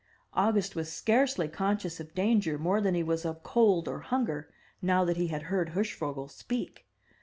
August was scarcely conscious of danger more than he was of cold or hunger, now that he had heard Hirschvogel speak.